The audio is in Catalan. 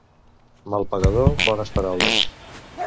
Mal pagador, bones paraules.